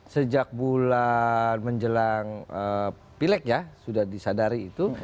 sejak bulan menjelang pilek ya sudah disadari itu